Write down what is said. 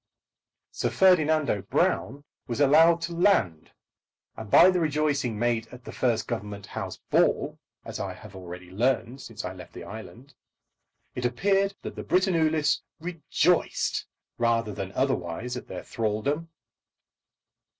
Sir Ferdinando Brown was allowed to land, and by the rejoicing made at the first Government House ball, as I have already learned since I left the island, it appeared that the Britannulists rejoiced rather than otherwise at their thraldom.